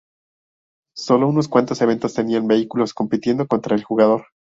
Sólo unos cuantos eventos tenían vehículos compitiendo contra el jugador.